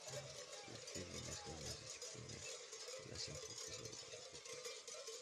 El "Jedi" mezcla ambas disciplinas y las enfoca sobre los objetivos.